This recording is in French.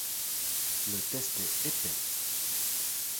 Le test est épais.